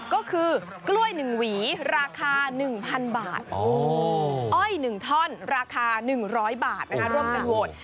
ก็คือกล้วยหนึ่งหวีราคาหนึ่งพันบาทอ้อยหนึ่งท่อนราคาหนึ่งร้อยบาทนะคะร่วมกันโวท